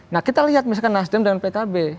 nah kita lihat misalkan nasdem dan pkb